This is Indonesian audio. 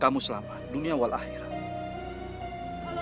kamu selamat dunia wal akhirat